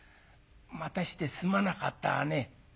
待たしてすまなかったね」。